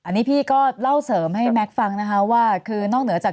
อันนี้พี่ก็เล่าเสริมให้แม็กซ์ฟังนะคะว่าคือนอกเหนือจาก